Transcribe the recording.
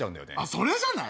それじゃない？